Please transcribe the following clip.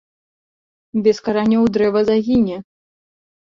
Без каранёў дрэва загіне.